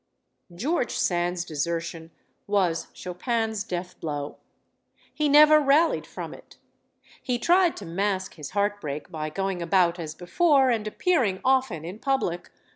George Sand's desertion was Chopin's deathblow. He never rallied from it. He tried to mask his heart break by going about as before and appearing often in public.